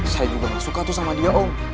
saya juga gak suka tuh sama dia om